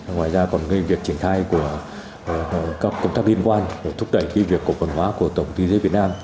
ngoài ra còn việc triển khai của các công tác liên quan để thúc đẩy việc cổ phần hóa của tổng công ty thuốc lát việt nam